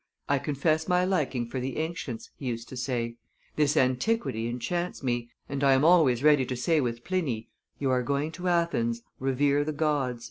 "I confess my liking for the ancients," he used to say; "this antiquity enchants me, and I am always ready to say with Pliny, 'You are going to Athens; revere the gods.